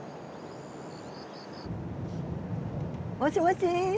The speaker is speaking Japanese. もしもし？